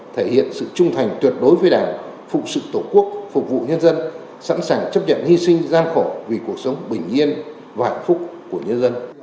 thể hiện sự trung thành tuyệt đối với đảng phụ sự tổ quốc phục vụ nhân dân sẵn sàng chấp nhận hy sinh gian khổ vì cuộc sống bình yên và hạnh phúc của nhân dân